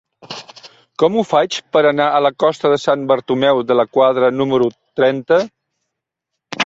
Com ho faig per anar a la costa de Sant Bartomeu de la Quadra número trenta?